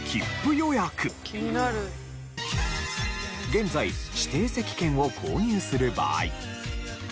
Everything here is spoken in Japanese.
現在指定席券を購入する場合。